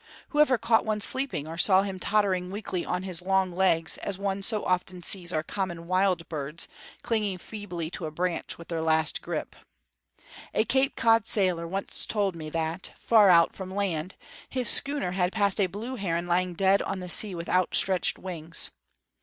Who ever caught one sleeping, or saw him tottering weakly on his long legs, as one so often sees our common wild birds clinging feebly to a branch with their last grip? A Cape Cod sailor once told me that, far out from land, his schooner had passed a blue heron lying dead on the sea with outstretched wings.